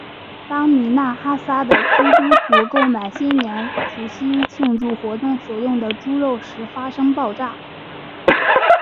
当米纳哈萨的基督徒购买新年除夕庆祝活动所用的猪肉时发生爆炸。